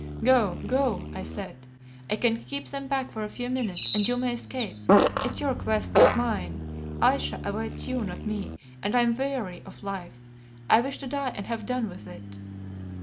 "Go, go!" I said. "I can keep them back for a few minutes and you may escape. It is your quest, not mine. Ayesha awaits you, not me, and I am weary of life. I wish to die and have done with it."